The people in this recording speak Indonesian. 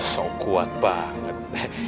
so kuat banget